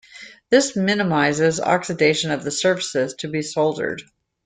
This minimizes oxidation of the surfaces to be soldered.